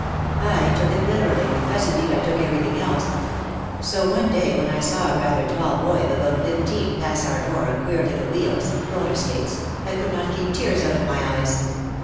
I took it literally, as indeed I took everything else. So one day when I saw a rather tall boy of about fifteen pass our door on queer little wheels (roller skates) I could not keep tears out of my eyes.